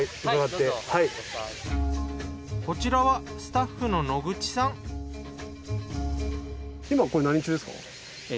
こちらはスタッフの今これ何中ですか？